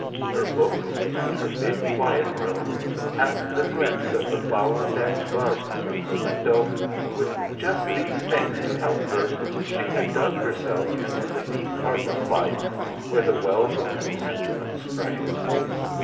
Her books, and her big quiet room, and the glimpse of the flower decked garden from her window, with just these things to help her, she had dug herself into the deep heart of life where the wells of contentment spring.